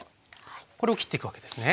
これを切っていくわけですね。